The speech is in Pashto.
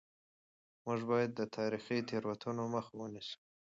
موږ باید د تاریخي تېروتنو مخه ونیسو.